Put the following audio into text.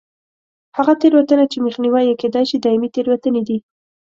هغه تېروتنې چې مخنیوی یې کېدای شي دایمي تېروتنې دي.